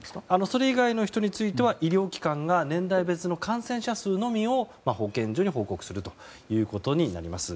それ以外の人については医療機関が、年代別の感染者数のみを保健所に報告することになります。